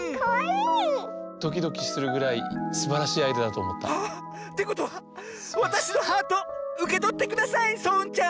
ドキドキするぐらいすばらしいアイデアだとおもった。ってことはわたしのハートうけとってくださいそううんちゃん！